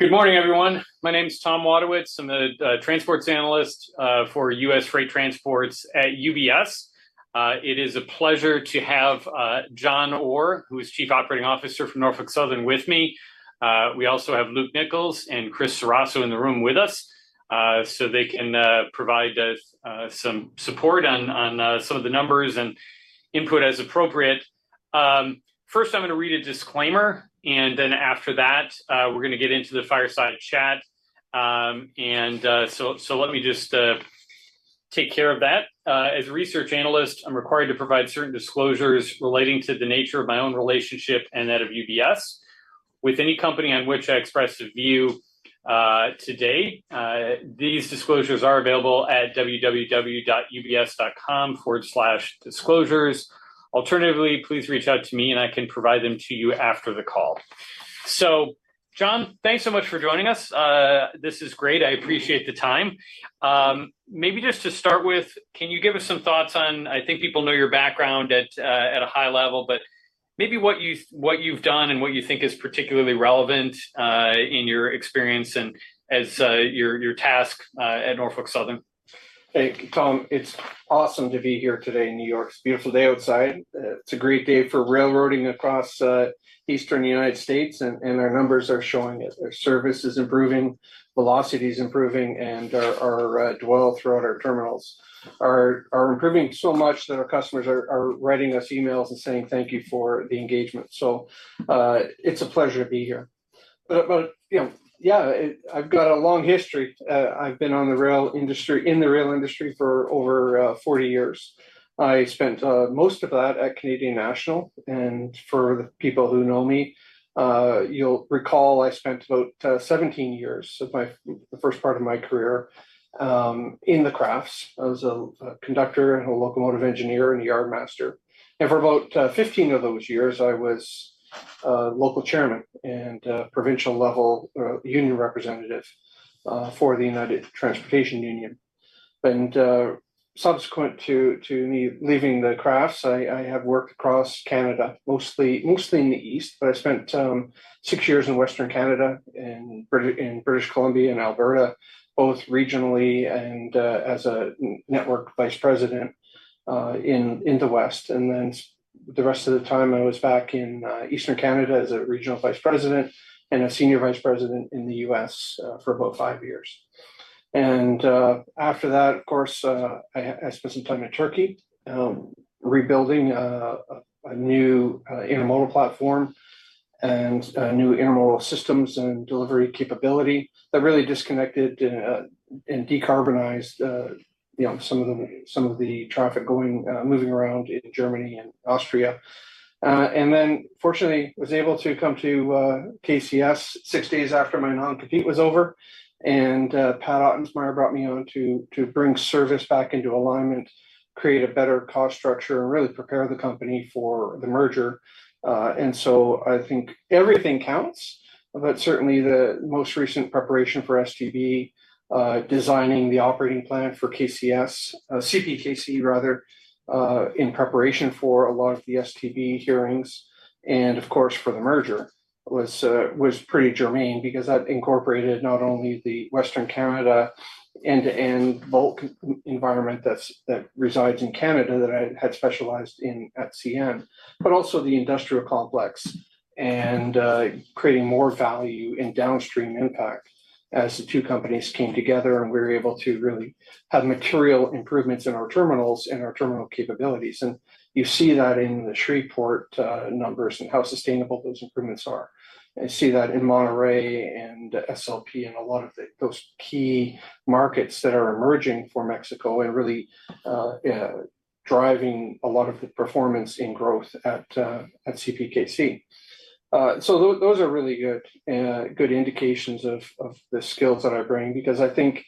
Good morning, everyone. My name's Tom Wadewitz. I'm the transports analyst for U.S. Freight Transportation at UBS. It is a pleasure to have John Orr, who's Chief Operating Officer from Norfolk Southern, with me. We also have Luke Nichols and Chris Ceraso in the room with us, so they can provide us some support on some of the numbers and input as appropriate. First, I'm going to read a disclaimer, and then after that, we're going to get into the fireside chat, and so let me just take care of that. As a research analyst, I'm required to provide certain disclosures relating to the nature of my own relationship and that of UBS with any company on which I express a view today. These disclosures are available at www.ubs.com/disclosures. Alternatively, please reach out to me, and I can provide them to you after the call. So, John, thanks so much for joining us. This is great. I appreciate the time. Maybe just to start with, can you give us some thoughts on, I think people know your background at, at a high level, but maybe what you've what you've done and what you think is particularly relevant, in your experience and as, your, your task, at Norfolk Southern? Hey, Tom, it's awesome to be here today in New York. It's a beautiful day outside. It's a great day for railroading across Eastern United States, and our numbers are showing it. Our service is improving, velocity's improving, and our dwell throughout our terminals are improving so much that our customers are writing us emails and saying thank you for the engagement. So, it's a pleasure to be here. But about, you know, yeah, I've got a long history. I've been in the rail industry for over 40 years. I spent most of that at Canadian National. And for the people who know me, you'll recall I spent about 17 years of the first part of my career in the crafts. I was a conductor and a locomotive engineer and a yardmaster. For about 15 of those years, I was local chairman and provincial level union representative for the United Transportation Union. Subsequent to me leaving the crafts, I have worked across Canada, mostly in the East. But I spent 6 years in Western Canada, in British Columbia and Alberta, both regionally and as a network vice president in the West. And then the rest of the time I was back in Eastern Canada as a regional vice president and a senior vice president in the U.S. for about 5 years. And after that, of course, I spent some time in Turkey rebuilding a new intermodal platform and new intermodal systems and delivery capability that really disconnected and decarbonized, you know, some of the traffic moving around in Germany and Austria. and then, fortunately, was able to come to KCS six days after my non-compete was over. And Pat Ottensmeyer brought me on to bring service back into alignment, create a better cost structure, and really prepare the company for the merger. So I think everything counts, but certainly the most recent preparation for STB, designing the operating plan for KCS, CPKC, rather, in preparation for a lot of the STB hearings and, of course, for the merger was pretty germane because that incorporated not only the Western Canada end-to-end bulk environment that resides in Canada that I had specialized in at CN, but also the industrial complex and creating more value and downstream impact as the two companies came together and we were able to really have material improvements in our terminals and our terminal capabilities. And you see that in the Shreveport numbers and how sustainable those improvements are. You see that in Monterrey and SLP and a lot of the most key markets that are emerging for Mexico and really driving a lot of the performance and growth at CPKC. So those are really good indications of the skills that I bring because I think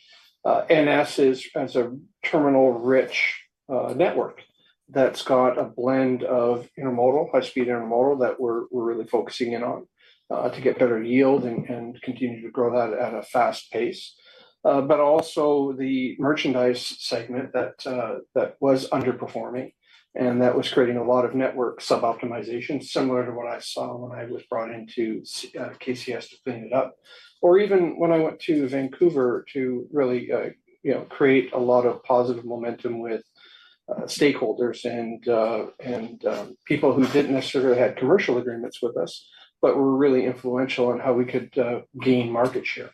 NS is a terminal-rich network that's got a blend of intermodal, high-speed intermodal that we're really focusing in on to get better yield and continue to grow that at a fast pace, but also the merchandise segment that was underperforming and that was creating a lot of network suboptimization similar to what I saw when I was brought into KCS to clean it up. Or even when I went to Vancouver to really, you know, create a lot of positive momentum with stakeholders and people who didn't necessarily have commercial agreements with us, but were really influential in how we could gain market share.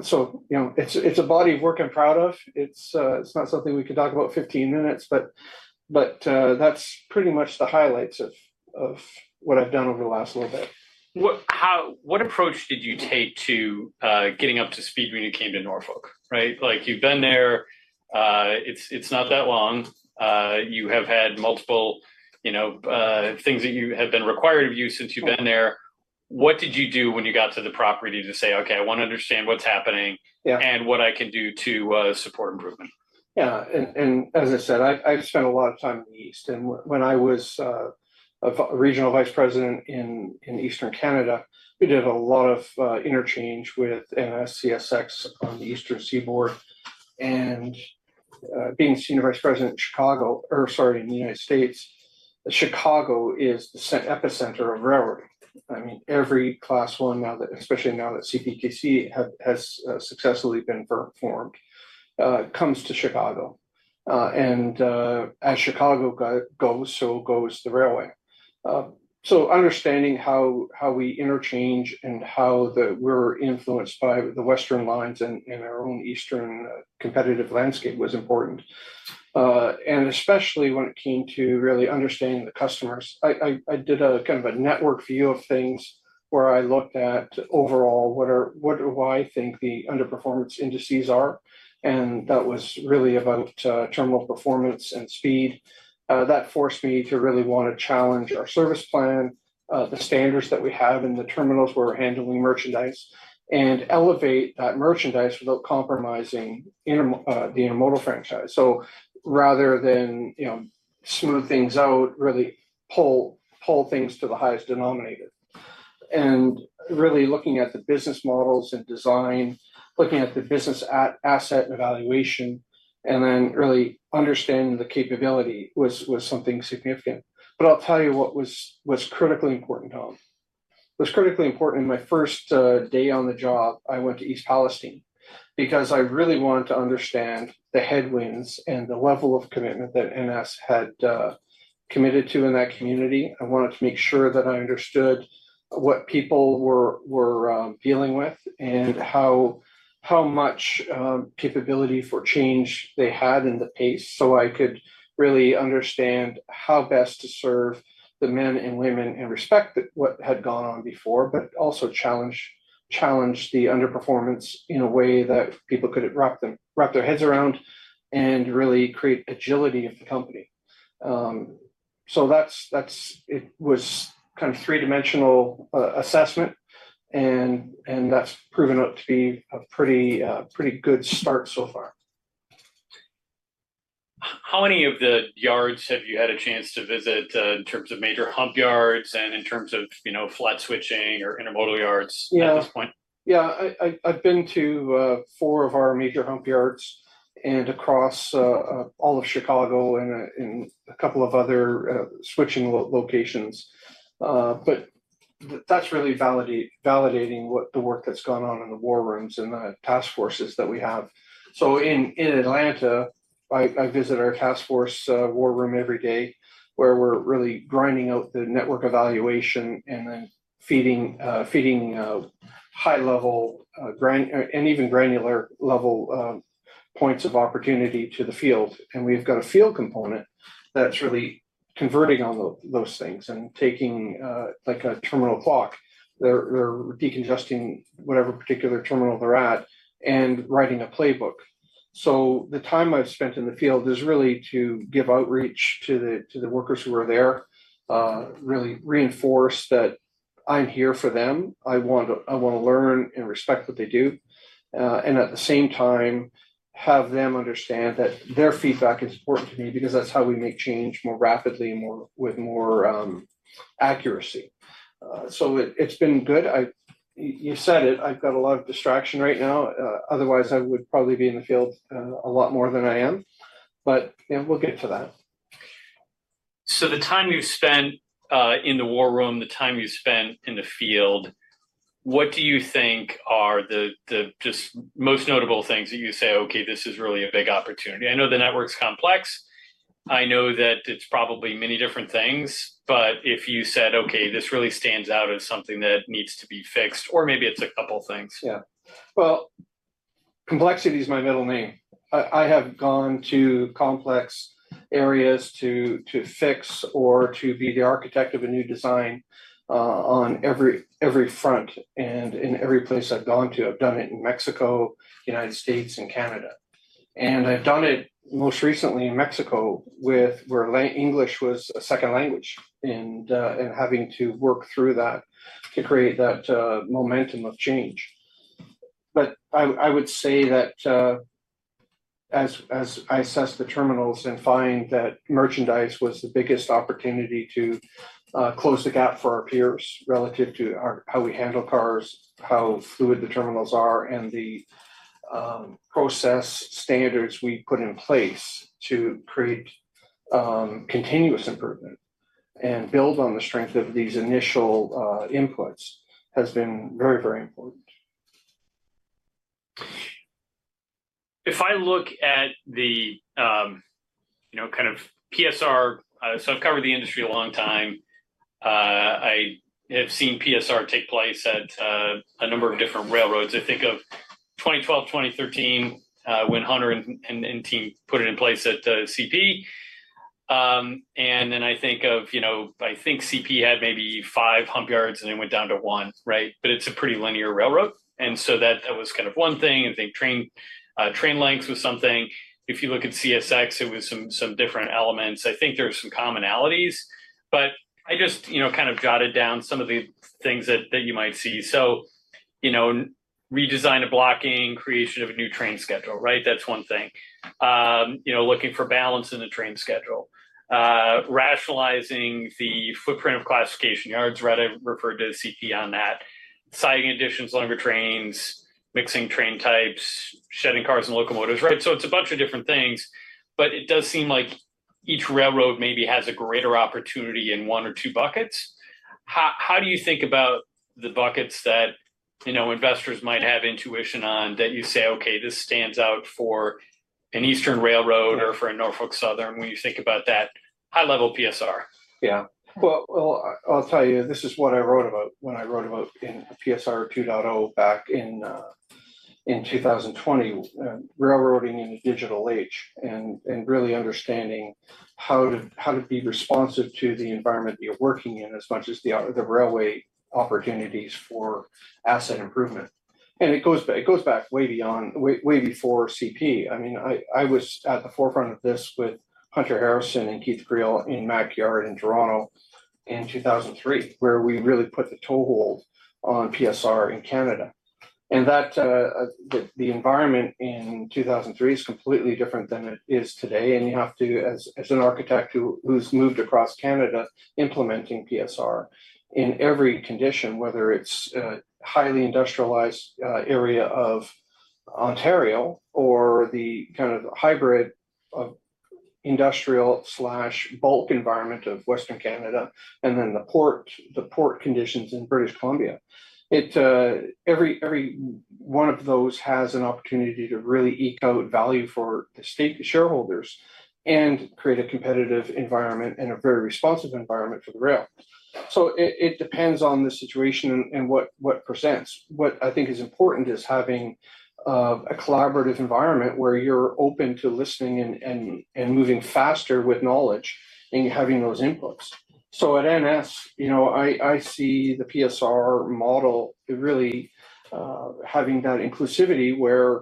So, you know, it's a body of work I'm proud of. It's not something we could talk about 15 minutes, but that's pretty much the highlights of what I've done over the last little bit. What approach did you take to getting up to speed when you came to Norfolk, right? Like, you've been there. It's not that long. You have had multiple, you know, things that you have been required of you since you've been there. What did you do when you got to the property to say, "Okay, I want to understand what's happening and what I can do to support improvement"? Yeah. And as I said, I've spent a lot of time in the East. And when I was a regional vice president in Eastern Canada, we did a lot of interchange with NS CSX on the Eastern Seaboard. And being a senior vice president in Chicago, or sorry, in the United States, Chicago is the epicenter of railroad. I mean, every Class I now that especially now that CPKC has successfully been formed comes to Chicago. And as Chicago goes, so goes the railway. So understanding how we interchange and how we're influenced by the Western lines and our own Eastern competitive landscape was important. Especially when it came to really understanding the customers, I did a kind of a network view of things where I looked at overall what do I think the underperformance indices are. That was really about terminal performance and speed. That forced me to really want to challenge our service plan, the standards that we have in the terminals where we're handling merchandise, and elevate that merchandise without compromising the intermodal franchise. So rather than, you know, smooth things out, really pull things to the highest denominator. Really looking at the business models and design, looking at the business asset evaluation, and then really understanding the capability was something significant. But I'll tell you what was critically important, Tom. It was critically important. In my first day on the job, I went to East Palestine because I really wanted to understand the headwinds and the level of commitment that NS had committed to in that community. I wanted to make sure that I understood what people were dealing with and how much capability for change they had and the pace so I could really understand how best to serve the men and women and respect what had gone on before, but also challenge the underperformance in a way that people couldn't wrap their heads around and really create agility of the company. So that's it was kind of three-dimensional assessment, and that's proven up to be a pretty good start so far. How many of the yards have you had a chance to visit, in terms of major hump yards and in terms of, you know, flat switching or intermodal yards at this point? Yeah. Yeah. I've been to four of our major hump yards and across all of Chicago and in a couple of other switching locations. But that's really validating what the work that's gone on in the war rooms and the task forces that we have. So in Atlanta, I visit our task force war room every day where we're really grinding out the network evaluation and then feeding high-level, grand and even granular level points of opportunity to the field. And we've got a field component that's really converting on those things and taking, like a terminal clock. They're decongesting whatever particular terminal they're at and writing a playbook. So the time I've spent in the field is really to give outreach to the workers who are there, really reinforce that I'm here for them. I want to learn and respect what they do, and at the same time have them understand that their feedback is important to me because that's how we make change more rapidly and more with more accuracy. So it's been good. You said it. I've got a lot of distraction right now. Otherwise, I would probably be in the field a lot more than I am. But, you know, we'll get to that. So the time you've spent in the war room, the time you've spent in the field, what do you think are the just most notable things that you say, "Okay, this is really a big opportunity"? I know the network's complex. I know that it's probably many different things. But if you said, "Okay, this really stands out as something that needs to be fixed," or maybe it's a couple things. Yeah. Well, complexity's my middle name. I, I have gone to complex areas to, to fix or to be the architect of a new design, on every, every front and in every place I've gone to. I've done it in Mexico, the United States, and Canada. And I've done it most recently in Mexico with where the English was a second language and, and having to work through that to create that, momentum of change. But I, I would say that, as, as I assess the terminals and find that merchandise was the biggest opportunity to, close the gap for our peers relative to how we handle cars, how fluid the terminals are, and the, process standards we put in place to create, continuous improvement and build on the strength of these initial, inputs has been very, very important. If I look at the, you know, kind of PSR, so I've covered the industry a long time. I have seen PSR take place at a number of different railroads. I think of 2012, 2013, when Hunter and team put it in place at CP. And then I think of, you know, I think CP had maybe 5 hump yards and then went down to 1, right? But it's a pretty linear railroad. And so that was kind of one thing. I think train lengths was something. If you look at CSX, it was some different elements. I think there were some commonalities. But I just, you know, kind of jotted down some of the things that you might see. So, you know, redesign a blocking, creation of a new train schedule, right? That's one thing. You know, looking for balance in the train schedule. Rationalizing the footprint of classification yards, right? I referred to CP on that. Siding additions, longer trains, mixing train types, shedding cars and locomotives, right? So it's a bunch of different things. But it does seem like each railroad maybe has a greater opportunity in one or two buckets. How do you think about the buckets that, you know, investors might have intuition on that you say, "Okay, this stands out for an Eastern railroad or for a Norfolk Southern" when you think about that high-level PSR? Yeah. Well, I'll tell you, this is what I wrote about when I wrote about PSR 2.0 back in 2020, railroading in a digital age and really understanding how to be responsive to the environment you're working in as much as the railway opportunities for asset improvement. And it goes back way beyond, way before CP. I mean, I was at the forefront of this with Hunter Harrison and Keith Creel in MacMillan Yard in Toronto in 2003 where we really put the toehold on PSR in Canada. And the environment in 2003 is completely different than it is today. You have to, as an architect who's moved across Canada, implementing PSR in every condition, whether it's a highly industrialized area of Ontario or the kind of hybrid of industrial/bulk environment of Western Canada and then the port conditions in British Columbia. Every one of those has an opportunity to really eke out value for the stakeholders and create a competitive environment and a very responsive environment for the rail. So it depends on the situation and what presents. What I think is important is having a collaborative environment where you're open to listening and moving faster with knowledge and you're having those inputs. So at NS, you know, I see the PSR model really having that inclusivity where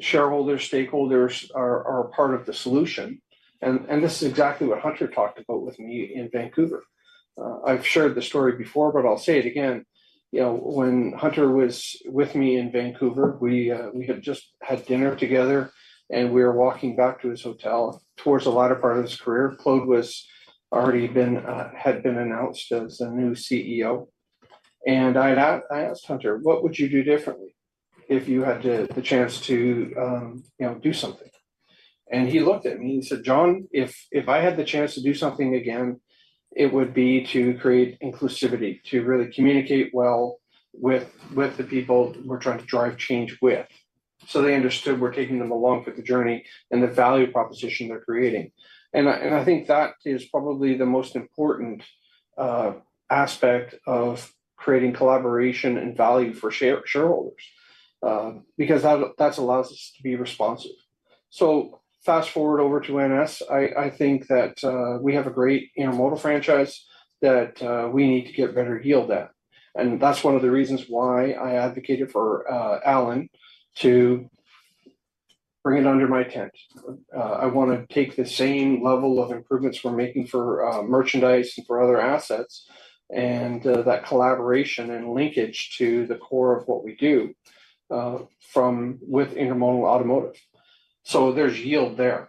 shareholders, stakeholders are part of the solution. This is exactly what Hunter talked about with me in Vancouver. I've shared the story before, but I'll say it again. You know, when Hunter was with me in Vancouver, we had just had dinner together, and we were walking back to his hotel toward a later part of his career. Claude had already been announced as the new CEO. And I had asked Hunter, "What would you do differently if you had the chance to, you know, do something?" And he looked at me and said, "John, if I had the chance to do something again, it would be to create inclusivity, to really communicate well with the people we're trying to drive change with." So they understood we're taking them along for the journey and the value proposition they're creating. And I think that is probably the most important aspect of creating collaboration and value for shareholders, because that allows us to be responsive. So fast forward over to NS. I think that we have a great intermodal franchise that we need to get better yield at. And that's one of the reasons why I advocated for Alan to bring it under my tent. I want to take the same level of improvements we're making for merchandise and for other assets and that collaboration and linkage to the core of what we do from within intermodal automotive. So there's yield there.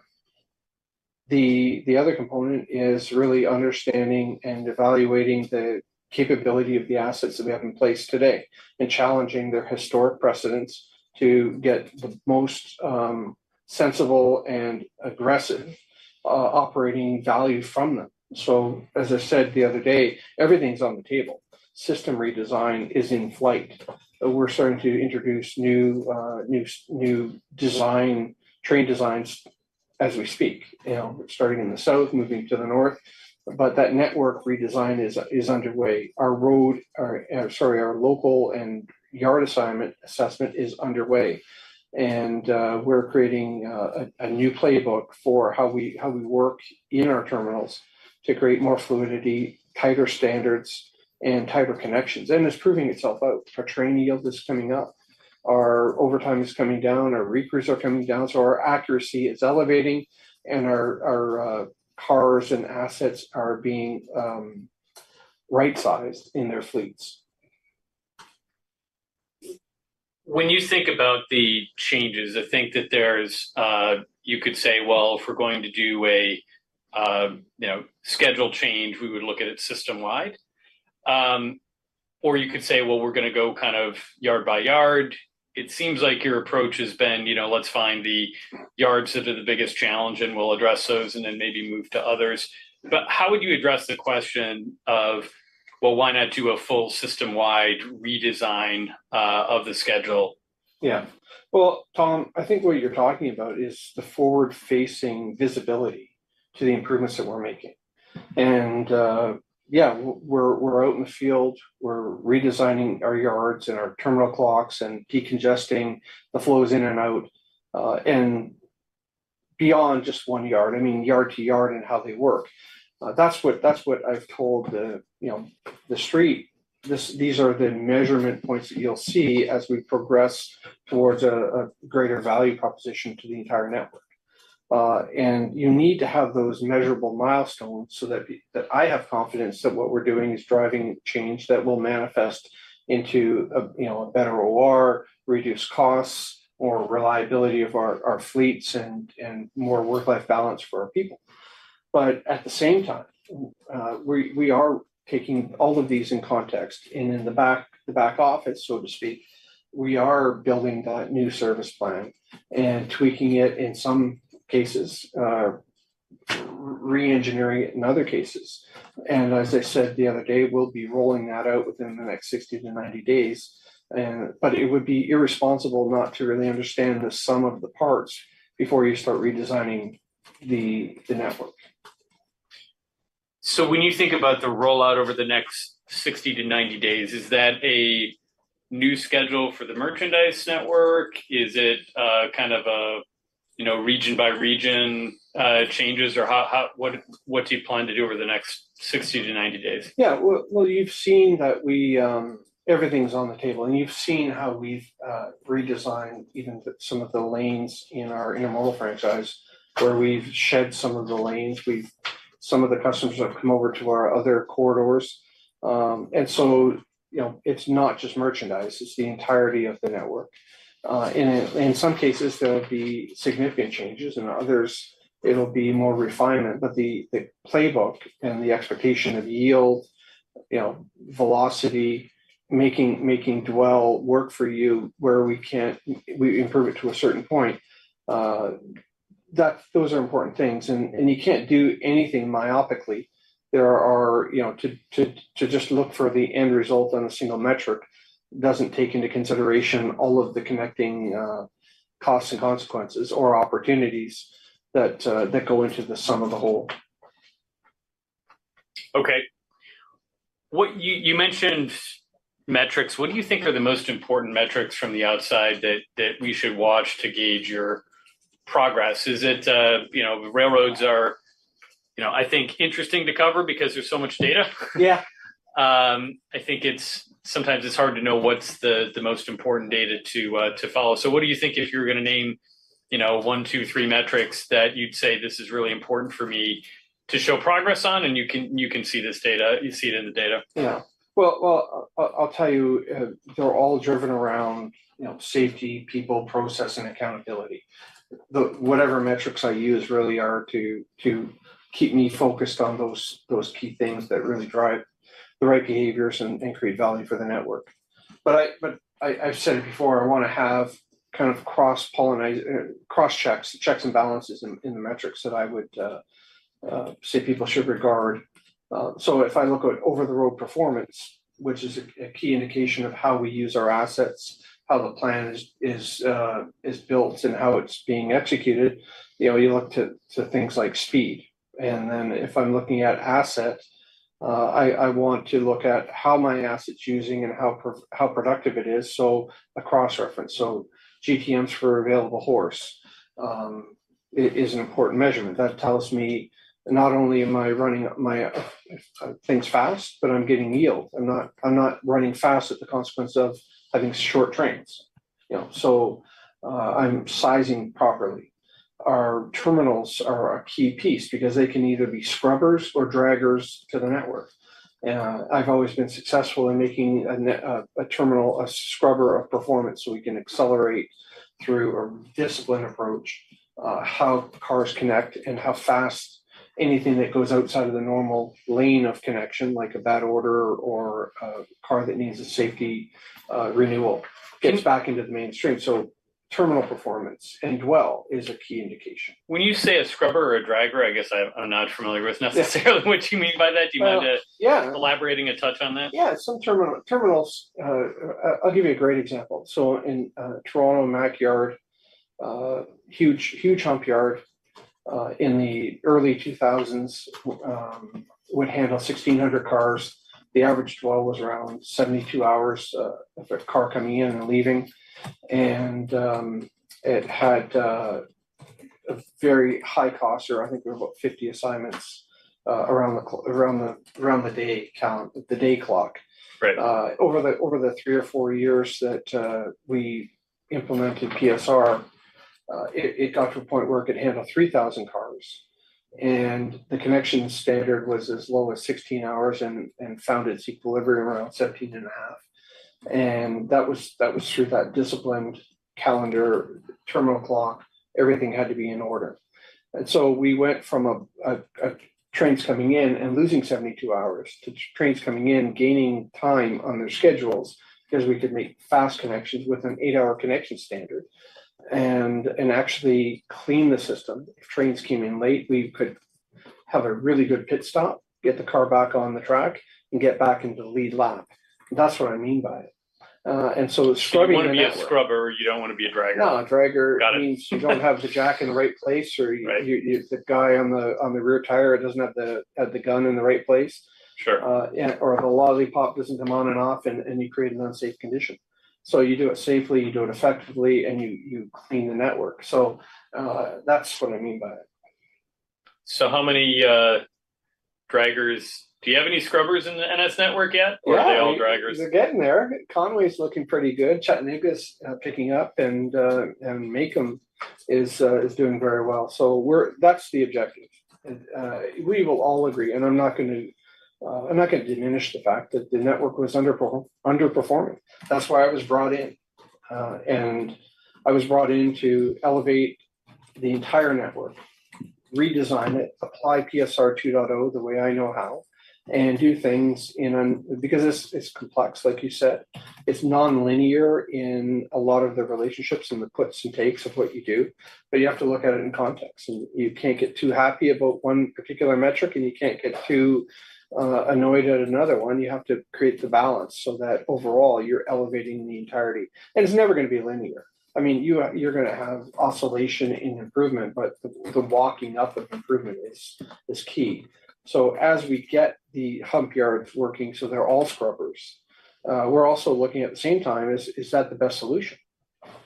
The other component is really understanding and evaluating the capability of the assets that we have in place today and challenging their historic precedents to get the most sensible and aggressive operating value from them. So as I said the other day, everything's on the table. System redesign is in flight. We're starting to introduce new design train designs as we speak, you know, starting in the south, moving to the north. But that network redesign is underway. Our road or, sorry, our local and yard assignment assessment is underway. And we're creating a new playbook for how we work in our terminals to create more fluidity, tighter standards, and tighter connections. And it's proving itself out. Our train yield is coming up. Our overtime is coming down. Our recrews are coming down. So our accuracy is elevating. And our cars and assets are being right-sized in their fleets. When you think about the changes, I think that there's, you could say, "Well, if we're going to do a, you know, schedule change, we would look at it systemwide." Or you could say, "Well, we're going to go kind of yard by yard." It seems like your approach has been, you know, "Let's find the yards that are the biggest challenge and we'll address those and then maybe move to others." But how would you address the question of, "Well, why not do a full systemwide redesign of the schedule? Yeah. Well, Tom, I think what you're talking about is the forward-facing visibility to the improvements that we're making. Yeah, we're out in the field. We're redesigning our yards and our terminal clocks and decongesting the flows in and out, and beyond just one yard. I mean, yard to yard and how they work. That's what I've told the, you know, the street. These are the measurement points that you'll see as we progress towards a greater value proposition to the entire network. You need to have those measurable milestones so that I have confidence that what we're doing is driving change that will manifest into, you know, a better OR, reduced costs, more reliability of our fleets, and more work-life balance for our people. But at the same time, we are taking all of these in context and in the back office, so to speak, we are building that new service plan and tweaking it in some cases, re-engineering it in other cases. And as I said the other day, we'll be rolling that out within the next 60-90 days. But it would be irresponsible not to really understand the sum of the parts before you start redesigning the network. So when you think about the rollout over the next 60-90 days, is that a new schedule for the merchandise network? Is it, kind of a, you know, region by region, changes? Or how, what do you plan to do over the next 60-90 days? Yeah. Well, you've seen that we, everything's on the table. And you've seen how we've redesigned even some of the lanes in our intermodal franchise where we've shed some of the lanes. We've some of the customers have come over to our other corridors. And so, you know, it's not just merchandise. It's the entirety of the network. And in some cases, there would be significant changes. In others, it'll be more refinement. But the playbook and the expectation of yield, you know, velocity, making dwell work for you where we can't we improve it to a certain point, those are important things. And you can't do anything myopically. There are, you know, to just look for the end result on a single metric doesn't take into consideration all of the connecting costs and consequences or opportunities that go into the sum of the whole. Okay. What you mentioned metrics. What do you think are the most important metrics from the outside that we should watch to gauge your progress? Is it, you know, railroads are, you know, I think, interesting to cover because there's so much data. Yeah. I think it's sometimes hard to know what's the most important data to follow. So what do you think if you were going to name, you know, one, two, three metrics that you'd say, "This is really important for me to show progress on," and you can see this data, you see it in the data. Yeah. Well, I'll tell you, they're all driven around, you know, safety, people, process, and accountability. The whatever metrics I use really are to keep me focused on those key things that really drive the right behaviors and create value for the network. But I've said it before. I want to have kind of cross-pollinized, cross-checks, checks and balances in the metrics that I would say people should regard. So if I look at over-the-road performance, which is a key indication of how we use our assets, how the plan is built, and how it's being executed, you know, you look to things like speed. And then if I'm looking at asset, I want to look at how my asset's using and how productive it is. So a cross-reference. So GTMs for available horse is an important measurement. That tells me not only am I running my things fast, but I'm getting yield. I'm not running fast at the consequence of having short trains, you know? So, I'm sizing properly. Our terminals are a key piece because they can either be scrubbers or draggers to the network. I've always been successful in making a terminal a scrubber of performance so we can accelerate through a disciplined approach, how cars connect and how fast anything that goes outside of the normal lane of connection, like a bad order or a car that needs a safety renewal, gets back into the mainstream. So terminal performance and dwell is a key indication. When you say a scrubber or a dragger, I guess I'm, I'm not familiar with necessarily what you mean by that. Do you mind, Oh, yeah. Elaborating a touch on that? Yeah. Some terminals, I'll give you a great example. So in Toronto and MacMillan Yard, huge hump yard, in the early 2000s, would handle 1,600 cars. The average dwell was around 72 hours for a car coming in and leaving. And it had a very high cost, or I think we had about 50 assignments around the clock. Right. Over the 3 or 4 years that we implemented PSR, it got to a point where it could handle 3,000 cars. And the connection standard was as low as 16 hours and found its equilibrium around 17 and a half. And that was true. That disciplined calendar, terminal clock, everything had to be in order. And so we went from trains coming in and losing 72 hours to trains coming in gaining time on their schedules because we could make fast connections with an 8-hour connection standard and actually clean the system. If trains came in late, we could have a really good pit stop, get the car back on the track, and get back into the lead lap. That's what I mean by it. And so struggling. You want to be a scrubber. You don't want to be a dragger. No. A dragger means you don't have the jack in the right place, or you, the guy on the rear tire, it doesn't have the gun in the right place. Sure. and or the lollipop doesn't come on and off, and you create an unsafe condition. So you do it safely. You do it effectively. And you clean the network. So, that's what I mean by it. So how many draggers do you have? Any scrubbers in the NS network yet? Or are they all draggers? Well, they're getting there. Conway's looking pretty good. Chattanooga's picking up, and Macon is doing very well. So that's the objective. And we will all agree. And I'm not going to, I'm not going to diminish the fact that the network was underperforming. That's why I was brought in, and I was brought in to elevate the entire network, redesign it, apply PSR 2.0 the way I know how, and do things in an because it's complex, like you said. It's nonlinear in a lot of the relationships and the puts and takes of what you do. But you have to look at it in context. And you can't get too happy about one particular metric, and you can't get too annoyed at another one. You have to create the balance so that overall, you're elevating the entirety. And it's never going to be linear. I mean, you're going to have oscillation in improvement, but the walking up of improvement is key. So as we get the hump yards working so they're all scrubbers, we're also looking at the same time, is that the best solution?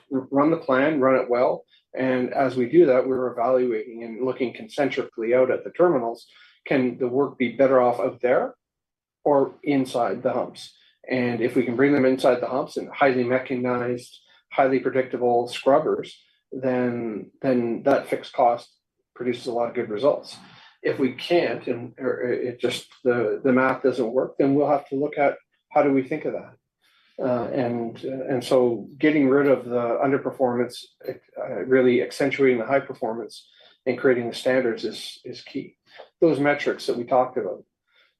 Run the plan. Run it well. And as we do that, we're evaluating and looking concentrically out at the terminals, can the work be better off out there or inside the humps? And if we can bring them inside the humps and highly mechanized, highly predictable scrubbers, then that fixed cost produces a lot of good results. If we can't and or it just the math doesn't work, then we'll have to look at how do we think of that? so getting rid of the underperformance, really accentuating the high performance and creating the standards is key. Those metrics that we talked about,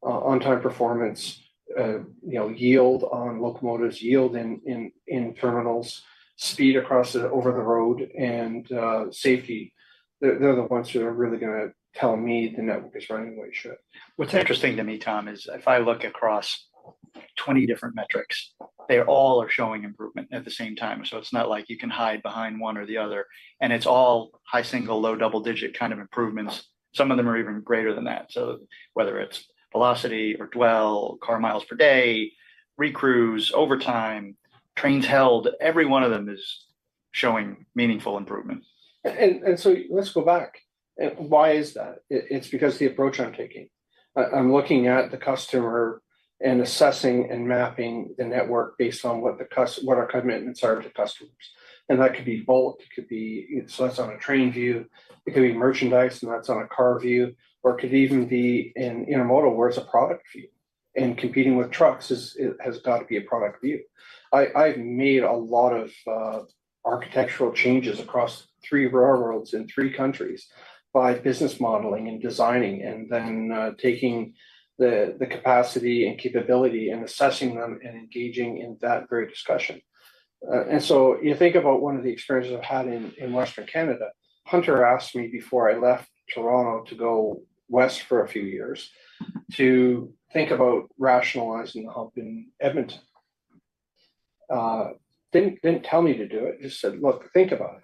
on-time performance, you know, yield on locomotives, yield in terminals, speed across the over the road, and safety, they're the ones that are really going to tell me the network is running the way it should. What's interesting to me, Tom, is if I look across 20 different metrics, they all are showing improvement at the same time. It's not like you can hide behind one or the other. It's all high-single, low-double-digit kind of improvements. Some of them are even greater than that. Whether it's velocity or dwell, car miles per day, recrews, overtime, trains held, every one of them is showing meaningful improvement. So let's go back. Why is that? It's because the approach I'm taking, I'm looking at the customer and assessing and mapping the network based on what our commitments are to customers. That could be bulk. It could be, so that's on a train view. It could be merchandise, and that's on a car view. Or it could even be in intermodal, where it's a product view. Competing with trucks, it has got to be a product view. I've made a lot of architectural changes across three railroads in three countries by business modeling and designing and then taking the capacity and capability and assessing them and engaging in that great discussion. And so you think about one of the experiences I've had in Western Canada. Hunter asked me before I left Toronto to go west for a few years to think about rationalizing the hump in Edmonton. Didn't tell me to do it. Just said, "Look, think about it."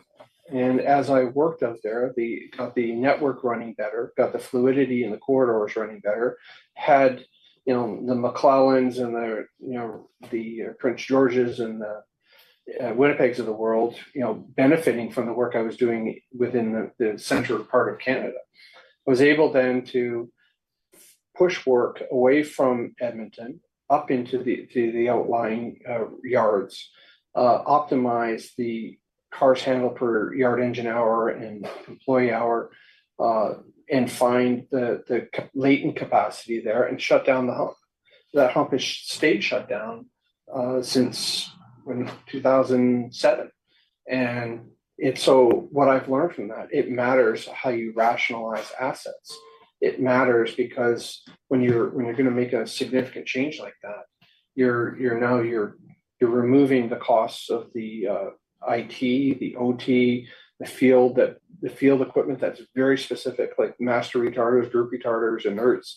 And as I worked out there, then got the network running better, got the fluidity in the corridors running better, had, you know, the McLennan and the, you know, the Prince George and the Winnipegs of the world, you know, benefiting from the work I was doing within the central part of Canada, was able then to push work away from Edmonton up into the outlying yards, optimize the cars handled per yard engine hour and employee hour, and find the latent capacity there and shut down the hump. That hump has stayed shut down since 2007. And so what I've learned from that, it matters how you rationalize assets. It matters because when you're going to make a significant change like that, you're now removing the costs of the IT, the OT, the field equipment that's very specific, like master retarders, group retarders, inerts,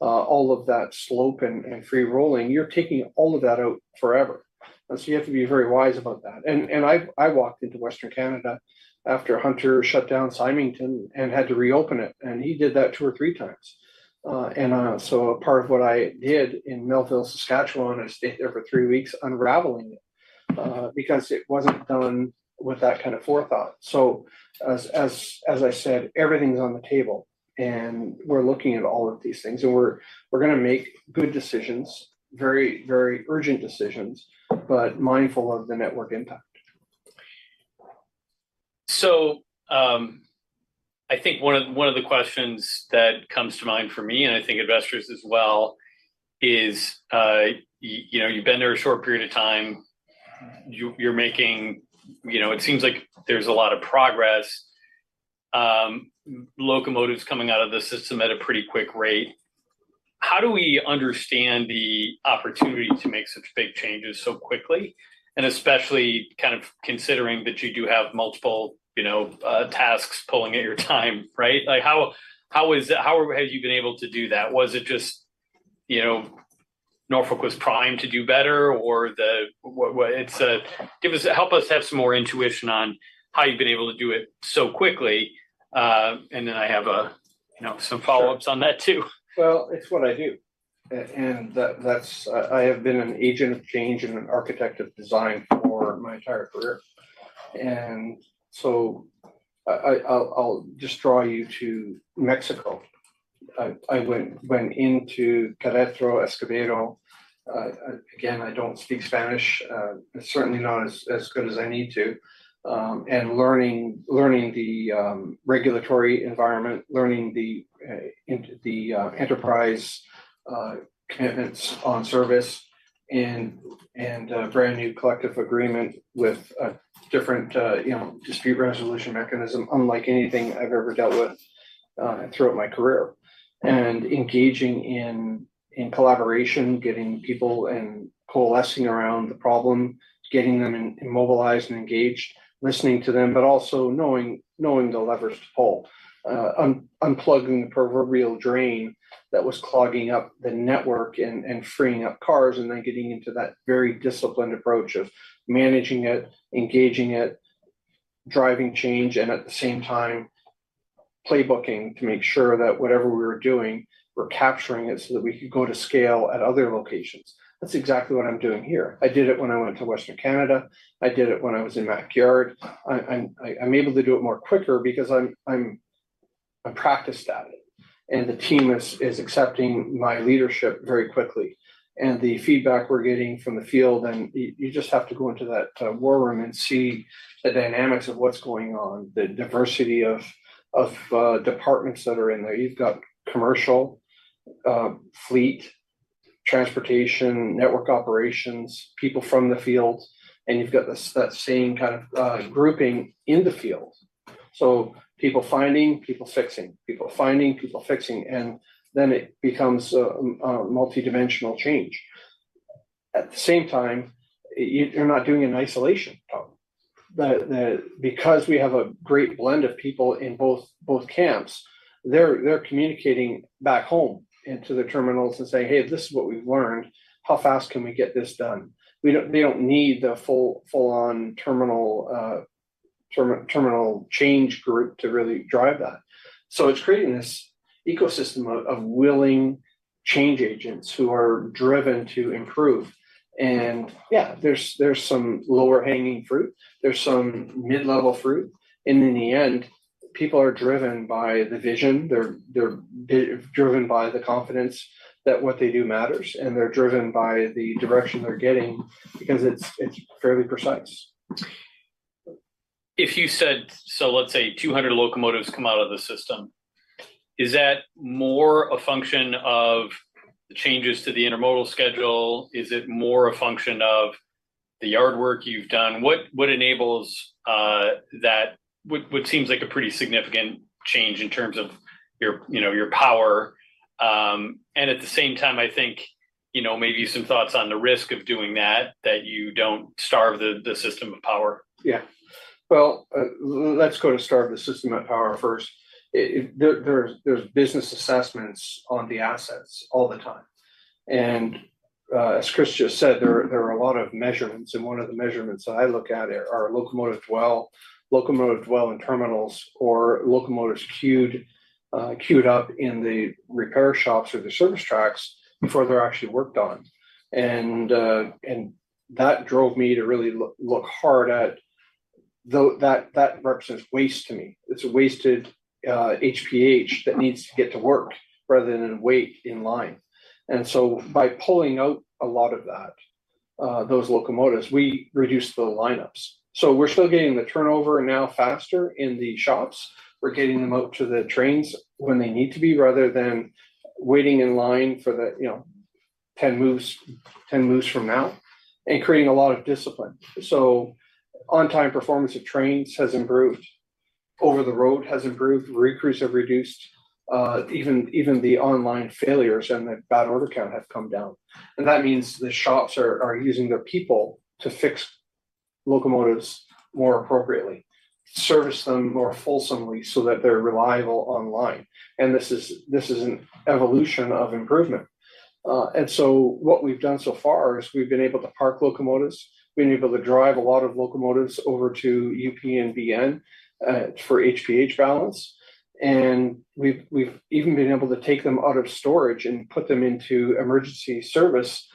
all of that slope and free rolling. You're taking all of that out forever. And so you have to be very wise about that. And I've walked into Western Canada after Hunter shut down Symington and had to reopen it. And he did that two or three times. So a part of what I did in Melville, Saskatchewan, is every three weeks unraveling it, because it wasn't done with that kind of forethought. So as I said, everything's on the table. We're looking at all of these things. We're going to make good decisions, very, very urgent decisions, but mindful of the network impact. So, I think one of the questions that comes to mind for me, and I think investors as well, is, you know, you've been there a short period of time. You're making, you know, it seems like there's a lot of progress. Locomotives coming out of the system at a pretty quick rate. How do we understand the opportunity to make such big changes so quickly, and especially kind of considering that you do have multiple, you know, tasks pulling at your time, right? Like, how have you been able to do that? Was it just, you know, Norfolk was primed to do better, or what is it? Give us, help us have some more intuition on how you've been able to do it so quickly. And then I have a, you know, some follow-ups on that too. Well, it's what I do. And that's. I have been an agent of change and an architect of design for my entire career. And so I'll just draw you to Mexico. I went into Querétaro, Escobedo. Again, I don't speak Spanish, certainly not as good as I need to, and learning the regulatory environment, learning the enterprise commitments on service, and a brand new collective agreement with a different, you know, dispute resolution mechanism, unlike anything I've ever dealt with throughout my career. Engaging in collaboration, getting people and coalescing around the problem, getting them mobilized and engaged, listening to them, but also knowing the levers to pull, unplugging the proverbial drain that was clogging up the network and freeing up cars, and then getting into that very disciplined approach of managing it, engaging it, driving change, and at the same time, playbooking to make sure that whatever we were doing, we're capturing it so that we could go to scale at other locations. That's exactly what I'm doing here. I did it when I went to Western Canada. I did it when I was in MacMillan Yard. I'm able to do it more quicker because I practiced that. The team is accepting my leadership very quickly. The feedback we're getting from the field, and you just have to go into that war room and see the dynamics of what's going on, the diversity of departments that are in there. You've got commercial, fleet, transportation, network operations, people from the field, and you've got this, that same kind of grouping in the field. People finding, people fixing, people finding, people fixing. Then it becomes a multidimensional change. At the same time, you're not doing an isolation of that because we have a great blend of people in both camps. They're communicating back home into the terminals and saying, "Hey, this is what we've learned. How fast can we get this done?" They don't need the full-on terminal change group to really drive that. It's creating this ecosystem of, of willing change agents who are driven to improve. Yeah, there's, there's some lower-hanging fruit. There's some mid-level fruit. In the end, people are driven by the vision. They're, they're driven by the confidence that what they do matters. They're driven by the direction they're getting because it's, it's fairly precise. If you said, so let's say 200 locomotives come out of the system, is that more a function of the changes to the intermodal schedule? Is it more a function of the yard work you've done? What enables that, what seems like a pretty significant change in terms of your, you know, your power? And at the same time, I think, you know, maybe some thoughts on the risk of doing that, that you don't starve the system of power. Yeah. Well, let's go to starve the system of power first. There's business assessments on the assets all the time. And, as Chris just said, there are a lot of measurements. And one of the measurements that I look at are locomotives dwell in terminals, or locomotives queued up in the repair shops or the service tracks before they're actually worked on. And that drove me to really look hard at that, that represents waste to me. It's a wasted HPH that needs to get to work rather than wait in line. And so by pulling out a lot of those locomotives, we reduce the lineups. So we're still getting the turnover now faster in the shops. We're getting them out to the trains when they need to be rather than waiting in line for the, you know, 10 moves, 10 moves from now and creating a lot of discipline. So on-time performance of trains has improved. Over the road has improved. Recrews have reduced, even, even the online failures and the bad order count have come down. And that means the shops are, are using their people to fix locomotives more appropriately, service them more fulsomely so that they're reliable online. And this is this is an evolution of improvement. And so what we've done so far is we've been able to park locomotives. We've been able to drive a lot of locomotives over to UP and BN, for HPH balance. We've even been able to take them out of storage and put them into emergency service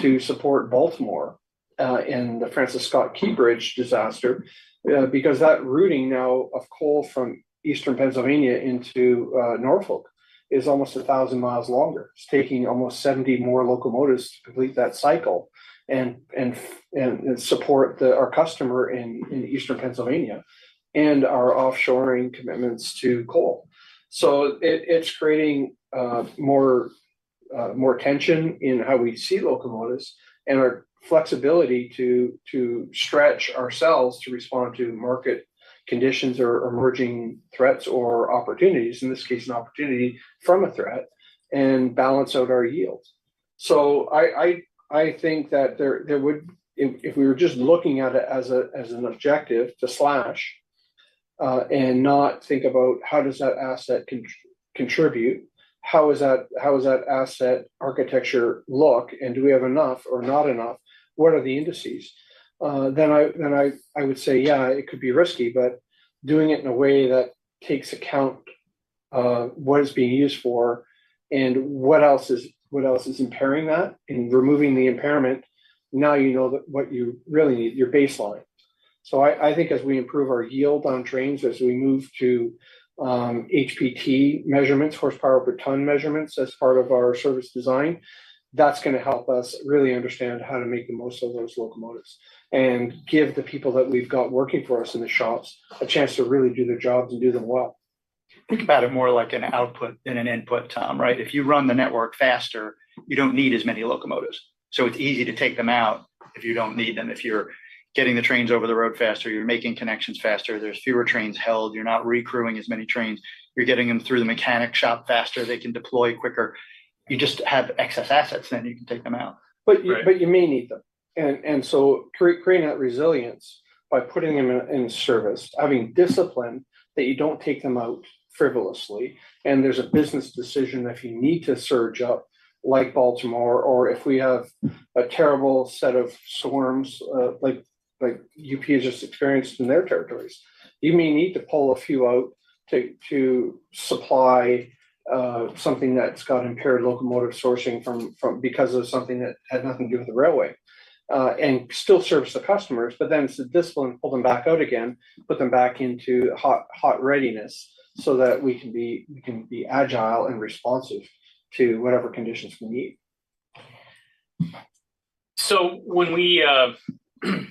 to support Baltimore in the Francis Scott Key Bridge disaster, because that routing now of coal from Eastern Pennsylvania into Norfolk is almost 1,000 miles longer. It's taking almost 70 more locomotives to complete that cycle and support our customer in Eastern Pennsylvania and our off-take commitments to coal. So it's creating more tension in how we see locomotives and our flexibility to stretch ourselves to respond to market conditions or emerging threats or opportunities, in this case, an opportunity from a threat, and balance out our yield. So I think that there would if we were just looking at it as an objective to slash, and not think about how does that asset contribute, how is that asset architecture look, and do we have enough or not enough, what are the indices, then I would say, yeah, it could be risky, but doing it in a way that takes account what it's being used for and what else is impairing that and removing the impairment, now you know that what you really need, your baseline. I think as we improve our yield on trains, as we move to HPT measurements, horsepower per ton measurements as part of our service design, that's going to help us really understand how to make the most of those locomotives and give the people that we've got working for us in the shops a chance to really do their jobs and do them well. Think about it more like an output than an input, Tom, right? If you run the network faster, you don't need as many locomotives. So it's easy to take them out if you don't need them. If you're getting the trains over the road faster, you're making connections faster. There's fewer trains held. You're not recrewing as many trains. You're getting them through the mechanic shop faster. They can deploy quicker. You just have excess assets. Then you can take them out. But you may need them. And so creating that resilience by putting them in service, having discipline that you don't take them out frivolously, and there's a business decision that you need to surge up like Baltimore, or if we have a terrible set of swarms, like UP has just experienced in their territories, you may need to pull a few out to supply something that's got impaired locomotive sourcing from because of something that had nothing to do with the railway, and still service the customers. But then it's the discipline, pull them back out again, put them back into hot readiness so that we can be agile and responsive to whatever conditions we need. So, when we, trying to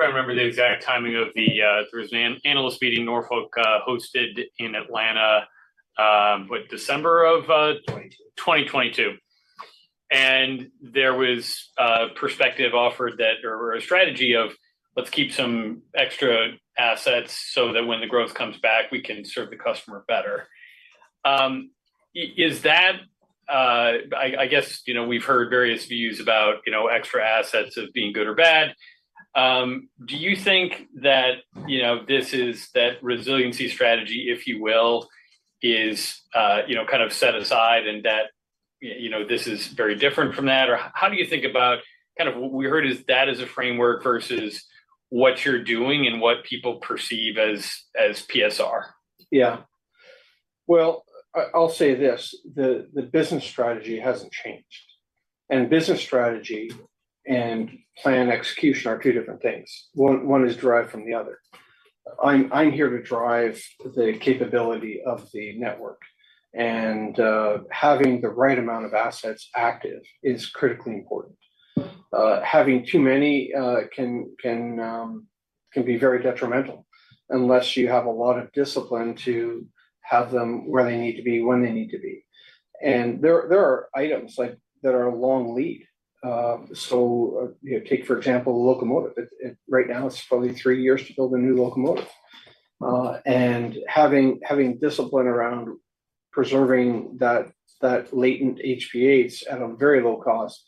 remember the exact timing of the, there was an analyst meeting Norfolk hosted in Atlanta, what, December of, 2022. 2022. There was a perspective offered that or a strategy of, let's keep some extra assets so that when the growth comes back, we can serve the customer better. Is that, I, I guess, you know, we've heard various views about, you know, extra assets of being good or bad. Do you think that, you know, this is that resiliency strategy, if you will, is, you know, kind of set aside and that, you know, this is very different from that? Or how do you think about kind of what we heard is that as a framework versus what you're doing and what people perceive as, as PSR? Yeah. Well, I'll say this. The business strategy hasn't changed. Business strategy and plan execution are two different things. One is derived from the other. I'm here to drive the capability of the network. Having the right amount of assets active is critically important. Having too many can be very detrimental unless you have a lot of discipline to have them where they need to be when they need to be. There are items like that are a long lead. So, you know, take, for example, a locomotive. Right now, it's probably three years to build a new locomotive. And having discipline around preserving that latent HPH at a very low cost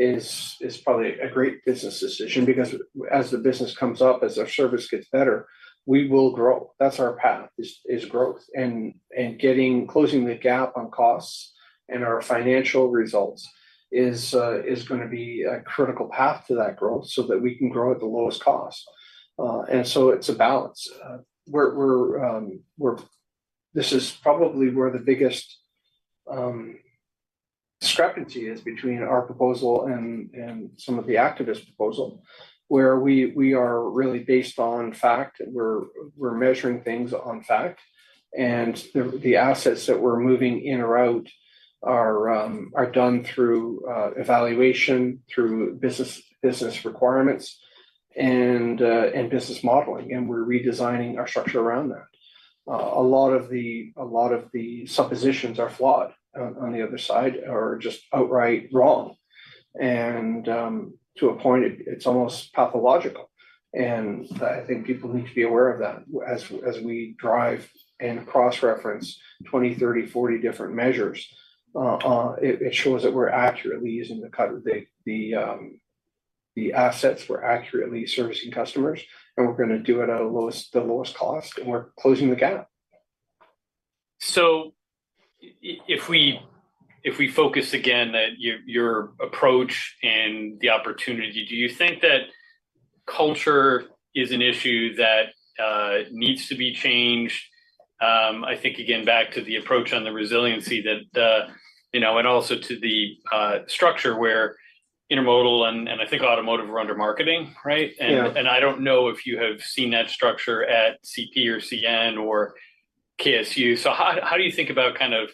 is probably a great business decision because as the business comes up, as our service gets better, we will grow. That's our path is growth. Getting closing the gap on costs and our financial results is going to be a critical path to that growth so that we can grow at the lowest cost. And so it's a balance. We're this is probably where the biggest discrepancy is between our proposal and some of the activist proposal, where we are really based on fact. We're measuring things on fact. And the assets that we're moving in or out are done through evaluation, through business requirements, and business modeling. And we're redesigning our structure around that. A lot of the suppositions are flawed on the other side or just outright wrong. And to a point, it's almost pathological. And I think people need to be aware of that as we drive and cross-reference 20, 30, 40 different measures. It shows that we're accurately using the cut of the assets, we're accurately servicing customers, and we're going to do it at the lowest cost, and we're closing the gap. So if we focus again at your approach and the opportunity, do you think that culture is an issue that needs to be changed? I think, again, back to the approach on the resiliency that, you know, and also to the structure where intermodal and I think automotive are under marketing, right? And I don't know if you have seen that structure at CP or CN or KCS. So how do you think about kind of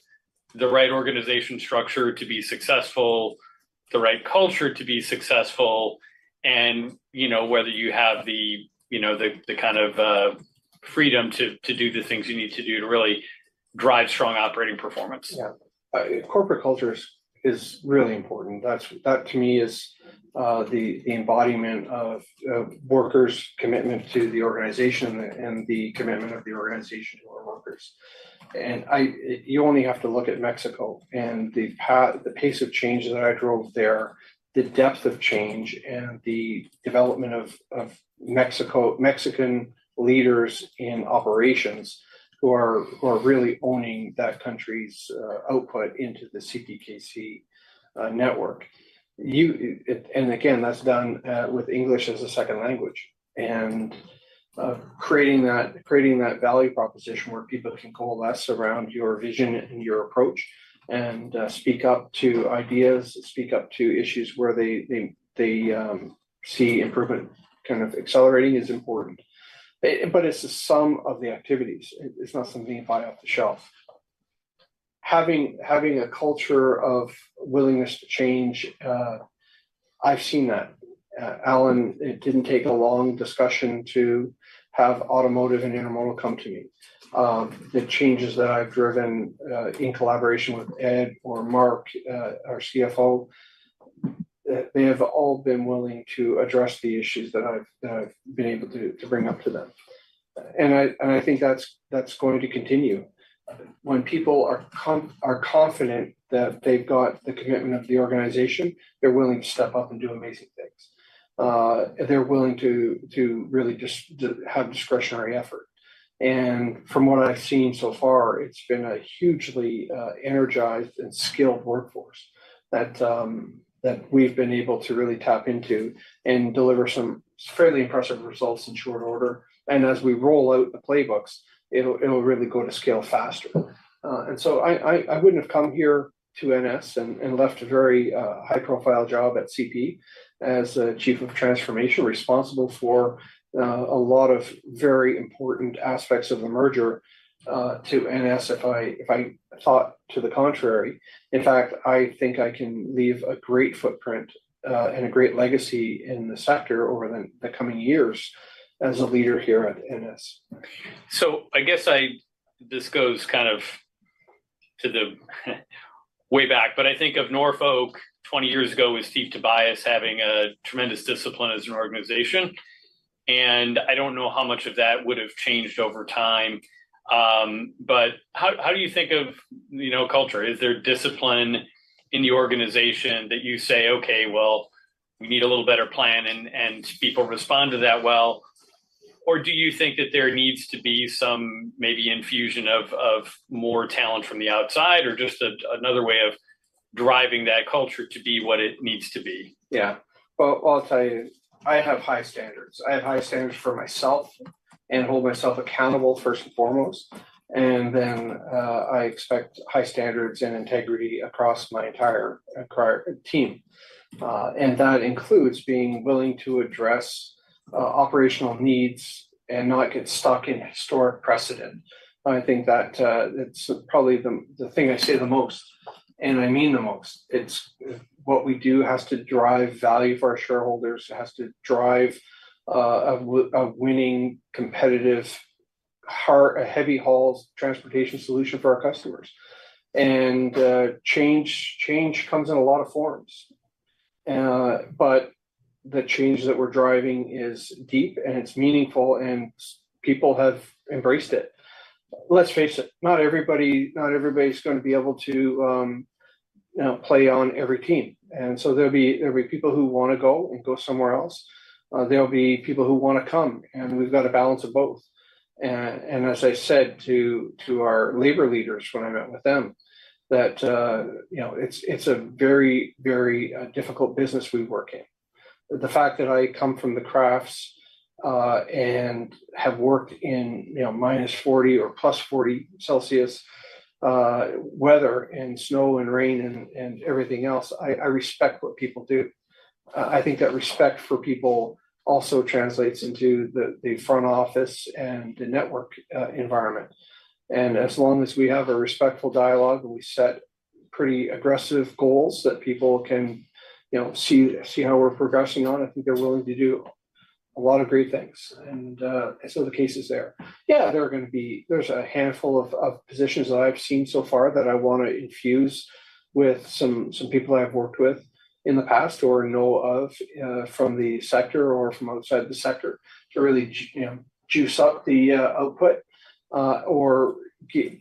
the right organization structure to be successful, the right culture to be successful, and, you know, whether you have the, you know, the kind of freedom to do the things you need to do to really drive strong operating performance? Yeah. Corporate culture is really important. That's to me the embodiment of workers' commitment to the organization and the commitment of the organization to our workers. And you only have to look at Mexico and the pace of change that I drove there, the depth of change, and the development of Mexican leaders in operations who are really owning that country's output into the CPKC network. And again, that's done with English as a second language and creating that value proposition where people can coalesce around your vision and your approach and speak up to ideas, speak up to issues where they see improvement kind of accelerating is important. But it's the sum of the activities. It's not something you buy off the shelf. Having a culture of willingness to change, I've seen that. Alan, it didn't take a long discussion to have automotive and intermodal come to me. The changes that I've driven, in collaboration with Ed or Mark, our CFO, they have all been willing to address the issues that I've been able to bring up to them. And I think that's going to continue. When people are confident that they've got the commitment of the organization, they're willing to step up and do amazing things. They're willing to really just have discretionary effort. And from what I've seen so far, it's been a hugely energized and skilled workforce that we've been able to really tap into and deliver some fairly impressive results in short order. And as we roll out the playbooks, it'll really go to scale faster. So I wouldn't have come here to NS and left a very high-profile job at CP as a chief of transformation, responsible for a lot of very important aspects of the merger to NS if I thought to the contrary. In fact, I think I can leave a great footprint and a great legacy in the sector over the coming years as a leader here at NS. So I guess this goes kind of to the way back, but I think of Norfolk 20 years ago with Steve Tobias having a tremendous discipline as an organization. And I don't know how much of that would have changed over time. How, how do you think of, you know, culture? Is there discipline in the organization that you say, okay, well, we need a little better plan and, and people respond to that well? Or do you think that there needs to be some maybe infusion of, of more talent from the outside or just another way of driving that culture to be what it needs to be? Yeah. Well, I'll tell you, I have high standards. I have high standards for myself and hold myself accountable, first and foremost. And then, I expect high standards and integrity across my entire team. And that includes being willing to address operational needs and not get stuck in historic precedent. I think that, it's probably the thing I say the most, and I mean the most. It's what we do has to drive value for our shareholders, has to drive a winning, competitive, heavy haul transportation solution for our customers. And change comes in a lot of forms. But the change that we're driving is deep, and it's meaningful, and people have embraced it. Let's face it, not everybody not everybody's going to be able to, you know, play on every team. And so there'll be people who want to go and go somewhere else. There'll be people who want to come, and we've got to balance both. And as I said to our labor leaders when I met with them, that, you know, it's a very, very difficult business we work in. The fact that I come from the crafts, and have worked in, you know, -40 or +40 degrees Celsius weather and snow and rain and everything else, I respect what people do. I think that respect for people also translates into the front office and the network environment. And as long as we have a respectful dialogue and we set pretty aggressive goals that people can, you know, see how we're progressing on, I think they're willing to do a lot of great things. And so the case is there. Yeah. There's a handful of positions that I've seen so far that I want to infuse with some people I've worked with in the past or know of, from the sector or from outside the sector to really, you know, juice up the output, or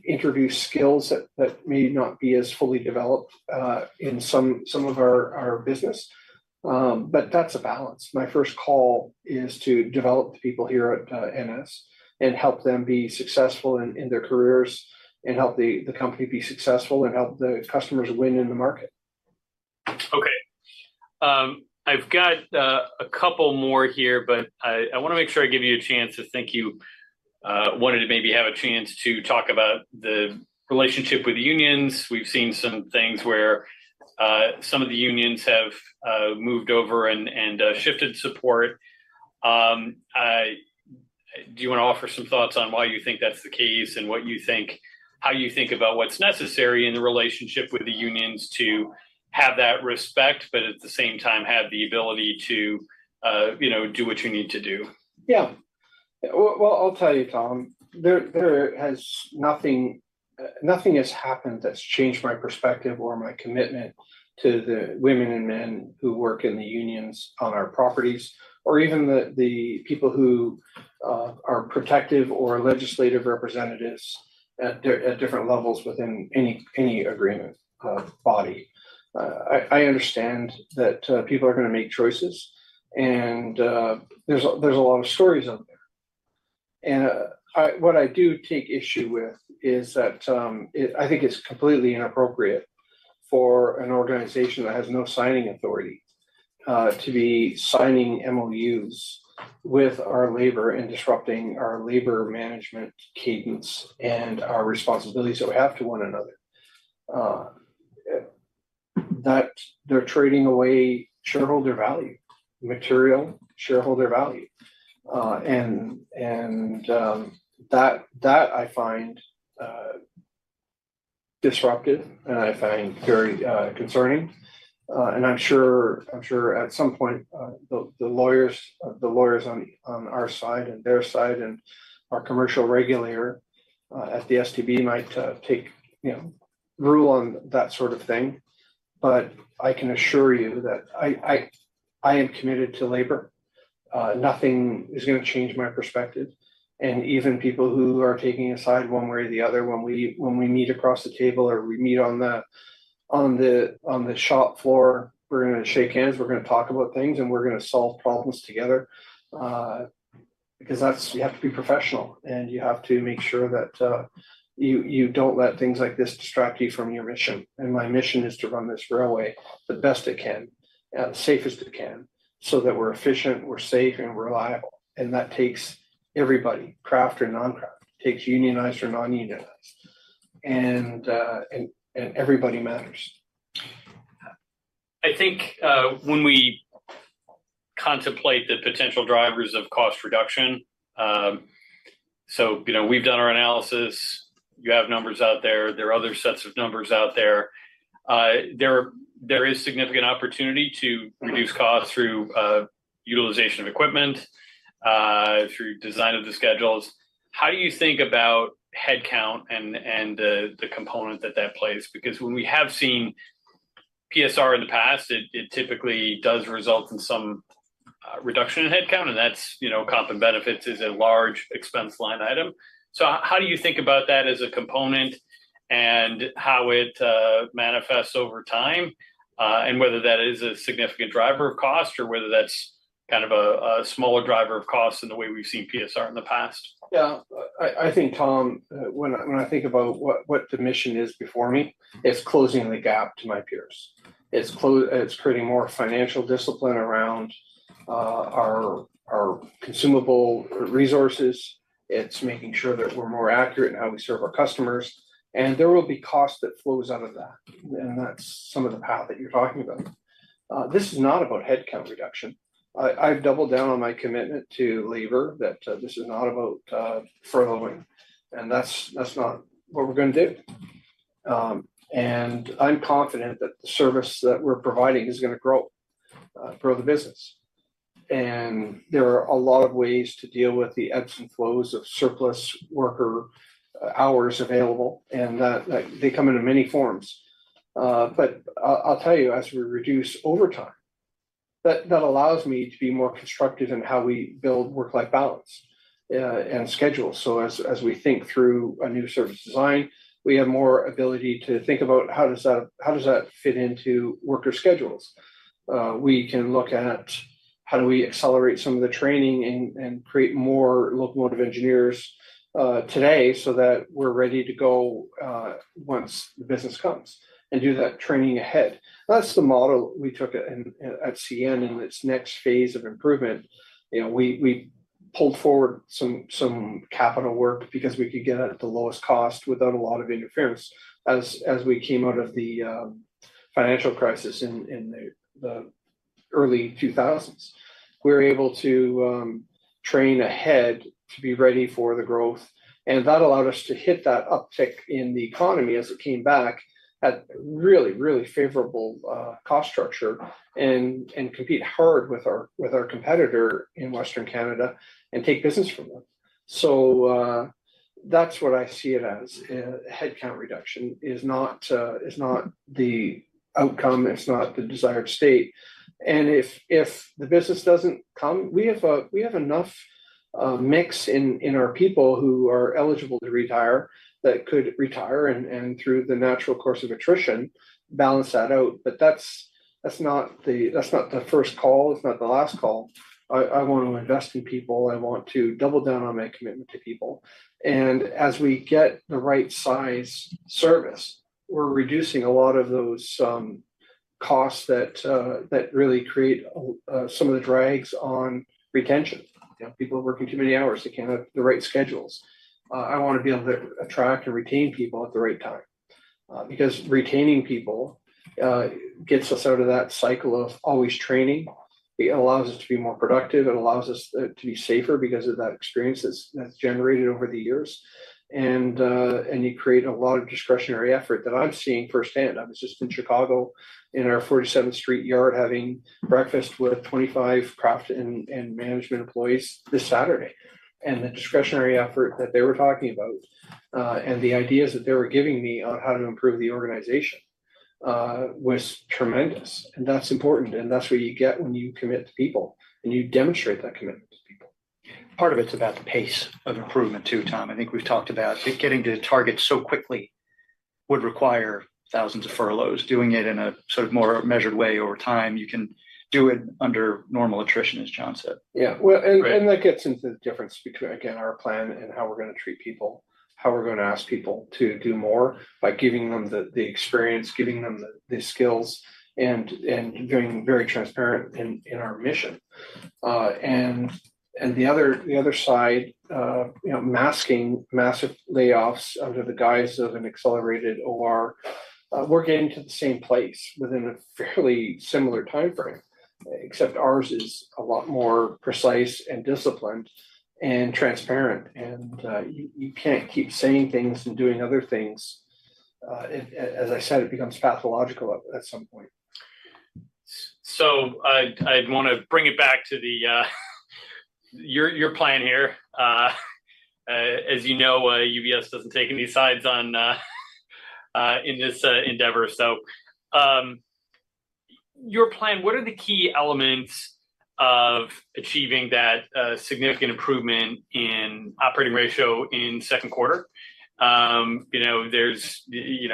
introduce skills that may not be as fully developed in some of our business. But that's a balance. My first call is to develop the people here at NS and help them be successful in their careers and help the company be successful and help the customers win in the market. Okay. I've got a couple more here, but I want to make sure I give you a chance. Thank you. I wanted to maybe have a chance to talk about the relationship with unions. We've seen some things where some of the unions have moved over and shifted support. Do you want to offer some thoughts on why you think that's the case and what you think, how you think about what's necessary in the relationship with the unions to have that respect, but at the same time have the ability to, you know, do what you need to do? Yeah. Well, I'll tell you, Tom, there has been nothing, nothing has happened that's changed my perspective or my commitment to the women and men who work in the unions on our properties or even the people who are protective or legislative representatives at different levels within any agreement body. I understand that people are going to make choices, and there's a lot of stories out there. And what I do take issue with is that I think it's completely inappropriate for an organization that has no signing authority to be signing MOUs with our labor and disrupting our labor management cadence and our responsibilities that we have to one another, that they're trading away shareholder value, material shareholder value, and that I find disruptive, and I find very concerning. I'm sure at some point, the lawyers on our side and their side and our commercial regulator, at the STB, might, you know, rule on that sort of thing. But I can assure you that I am committed to labor. Nothing is going to change my perspective. Even people who are taking a side one way or the other, when we meet across the table or we meet on the shop floor, we're going to shake hands, we're going to talk about things, and we're going to solve problems together. Because that's – you have to be professional, and you have to make sure that you don't let things like this distract you from your mission. And my mission is to run this railway the best it can, at the safest it can, so that we're efficient, we're safe, and we're reliable. And that takes everybody, craft or non-craft, takes unionized or non-unionized. And everybody matters. I think, when we contemplate the potential drivers of cost reduction, so, you know, we've done our analysis. You have numbers out there. There are other sets of numbers out there. There is significant opportunity to reduce costs through utilization of equipment, through design of the schedules. How do you think about headcount and the component that that plays? Because when we have seen PSR in the past, it typically does result in some reduction in headcount, and that's, you know, comp and benefits is a large expense line item. So how do you think about that as a component and how it manifests over time, and whether that is a significant driver of cost or whether that's kind of a smaller driver of cost in the way we've seen PSR in the past? Yeah. I, I think, Tom, when, when I think about what, what the mission is before me, it's closing the gap to my peers. It's closing. It's putting more financial discipline around our consumable resources. It's making sure that we're more accurate in how we serve our customers. And there will be cost that flows out of that. And that's some of the power that you're talking about. This is not about headcount reduction. I, I've doubled down on my commitment to labor, that this is not about furloughing. And that's, that's not what we're going to do. And I'm confident that the service that we're providing is going to grow, grow the business. And there are a lot of ways to deal with the ebbs and flows of surplus worker hours available, and that, that they come in many forms. I'll tell you, as we reduce overtime, that allows me to be more constructive in how we build work-life balance and schedules. As we think through a new service design, we have more ability to think about how does that fit into worker schedules? We can look at how do we accelerate some of the training and create more locomotive engineers today so that we're ready to go once the business comes and do that training ahead. That's the model we took at CN in its next phase of improvement. You know, we pulled forward some capital work because we could get out at the lowest cost without a lot of interference as we came out of the financial crisis in the early 2000s. We were able to train ahead to be ready for the growth. And that allowed us to hit that uptick in the economy as it came back at really, really favorable cost structure and, and compete hard with our with our competitor in Western Canada and take business from them. So, that's what I see it as. Headcount reduction is not, is not the outcome. It's not the desired state. And if, if the business doesn't come, we have a we have enough mix in, in our people who are eligible to retire that could retire and, and through the natural course of attrition, balance that out. But that's, that's not the that's not the first call. It's not the last call. I, I want to invest in people. I want to double down on my commitment to people. As we get the right size service, we're reducing a lot of those costs that really create some of the drags on retention. You know, people are working too many hours. They can't have the right schedules. I want to be able to attract and retain people at the right time, because retaining people gets us out of that cycle of always training. It allows us to be more productive. It allows us to be safer because of that experience that's generated over the years. And you create a lot of discretionary effort that I'm seeing firsthand. I was just in Chicago in our 47th Street Yard having breakfast with 25 craft and management employees this Saturday. And the discretionary effort that they were talking about, and the ideas that they were giving me on how to improve the organization, was tremendous. And that's important. That's what you get when you commit to people and you demonstrate that commitment to people. Part of it's about the pace of improvement too, Tom. I think we've talked about that getting to targets so quickly would require thousands of furloughs. Doing it in a sort of more measured way over time, you can do it under normal attrition, as John said. Yeah. Well, and that gets into the difference between, again, our plan and how we're going to treat people, how we're going to ask people to do more by giving them the experience, giving them the skills, and being very transparent in our mission. And the other side, you know, masking massive layoffs under the guise of an accelerated OR, we're getting to the same place within a fairly similar time frame, except ours is a lot more precise and disciplined and transparent. And you can't keep saying things and doing other things. As I said, it becomes pathological at some point. So I'd want to bring it back to your plan here. As you know, UBS doesn't take any sides in this endeavor. So, your plan. What are the key elements of achieving that significant improvement in operating ratio in second quarter? You know, there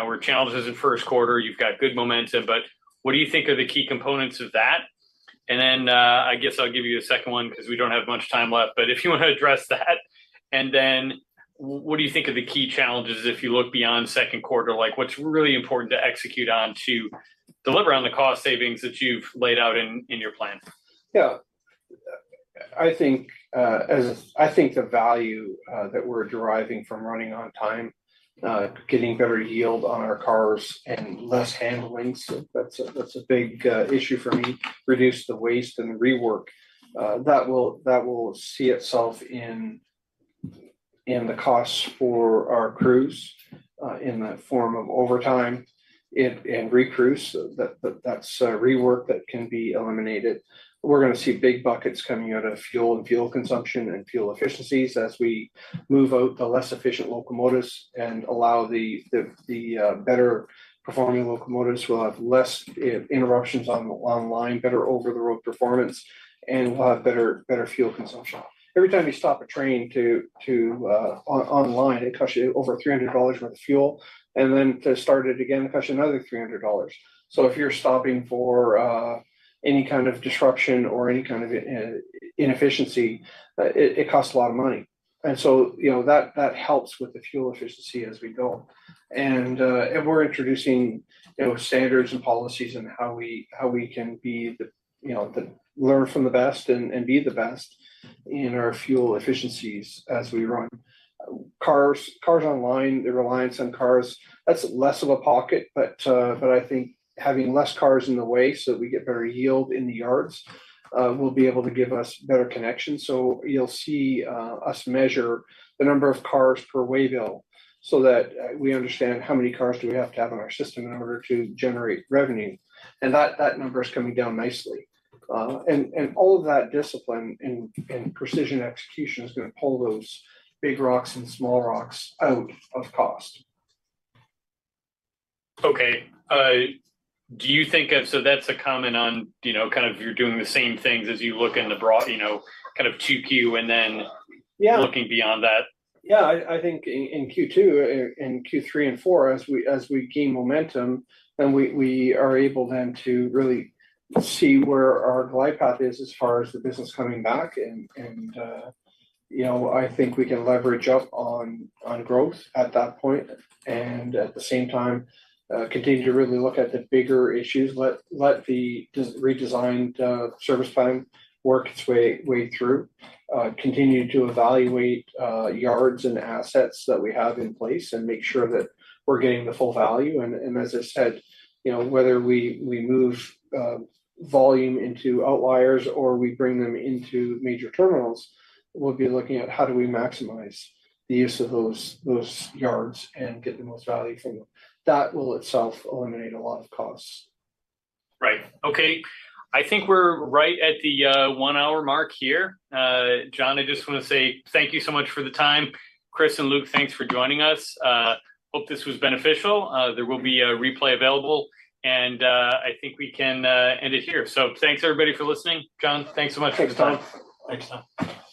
were challenges in first quarter. You've got good momentum, but what do you think are the key components of that? And then, I guess I'll give you a second one because we don't have much time left, but if you want to address that, and then what do you think are the key challenges if you look beyond second quarter, like what's really important to execute on to deliver on the cost savings that you've laid out in your plan? Yeah. I think the value that we're deriving from running on time, getting better yield on our cars and less handling. So that's a big issue for me. Reduce the waste and rework. That will see itself in the costs for our crews, in the form of overtime and recrews. That's rework that can be eliminated. We're going to see big buckets coming out of fuel and fuel consumption and fuel efficiencies as we move out the less efficient locomotives and allow the better performing locomotives to have less interruptions online, better over-the-road performance, and we'll have better fuel consumption. Every time you stop a train on line, it costs you over $300 worth of fuel, and then to start it again costs you another $300. So if you're stopping for any kind of disruption or any kind of inefficiency, it costs a lot of money. And so, you know, that helps with the fuel efficiency as we go. And we're introducing, you know, standards and policies and how we can be the, you know, we learn from the best and be the best in our fuel efficiencies as we run. Cars online, the reliance on cars, that's less of a pocket, but I think having less cars in the way so that we get better yield in the yards will be able to give us better connections. So you'll see us measure the number of cars per waybill so that we understand how many cars do we have to have in our system in order to generate revenue. And that number is coming down nicely. All of that discipline and precision execution is going to pull those big rocks and small rocks out of cost. Okay. Do you think that so that's a comment on, you know, kind of you're doing the same things as you look in the broad, you know, kind of 2Q and then looking beyond that? Yeah. Yeah. I think in Q2, in Q3 and 4, as we gain momentum and we are able then to really see where our glide path is as far as the business coming back and, you know, I think we can leverage up on growth at that point and at the same time, continue to really look at the bigger issues, let the redesigned service plan work its way through, continue to evaluate yards and assets that we have in place and make sure that we're getting the full value. And as I said, you know, whether we move volume into outliers or we bring them into major terminals, we'll be looking at how do we maximize the use of those yards and get the most value from them. That will itself eliminate a lot of costs. Right. Okay. I think we're right at the 1-hour mark here. John, I just want to say thank you so much for the time. Chris and Luke, thanks for joining us. Hope this was beneficial. There will be a replay available, and I think we can end it here. So thanks, everybody, for listening. John, thanks so much. Thanks, Tom. Next time.